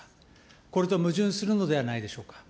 これと矛盾するのではないでしょうか。